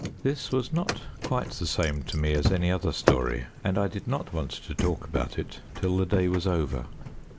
This was not quite the same to me as any other story, and I did not want to talk about it till the day was over.